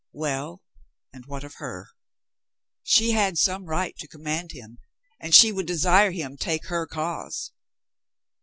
Well, and what of her? She had some right to command him, and she would desire him take her cause.